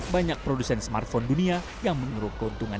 banyak produsen smartphone dunia yang menurut keuntungan